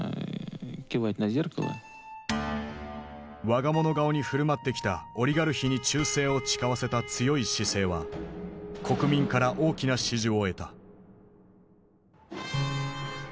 我が物顔に振る舞ってきたオリガルヒに忠誠を誓わせた強い姿勢は国民から大きな支持を得た。